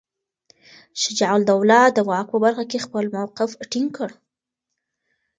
شجاع الدوله د واک په برخه کې خپل موقف ټینګ کړ.